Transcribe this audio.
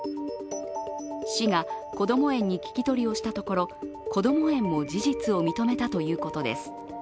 市がこども園に聞き取りをしたところこども園も事実を認めたということです。